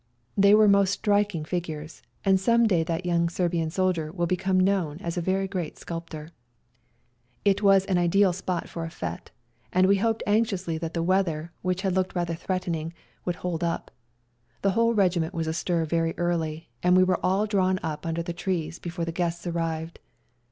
They were most striking figures, and some day that young Serbian soldier will become known as a very great sculptor. It was an ideal spot for a fete, and we hoped anxiously that the weather, which had looked rather threatening, would hold up. The whole regiment was astir very early, and we were all drawn up under the trees before the guests arrived.